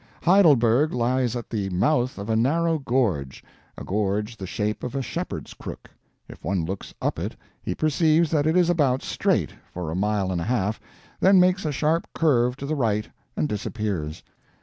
Heidelberg lies at the mouth of a narrow gorge a gorge the shape of a shepherd's crook; if one looks up it he perceives that it is about straight, for a mile and a half, then makes a sharp curve to the right and disappears.